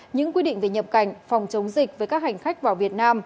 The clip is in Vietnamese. những quy định về nhập cảnh phòng chống dịch với các hành khách vào việt nam